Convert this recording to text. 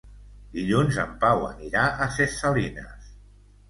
Dilluns en Pau anirà a Ses Salines.